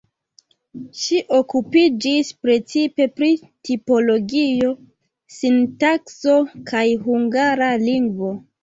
Ŝi okupiĝis precipe pri tipologio, sintakso kaj hungara lingvo.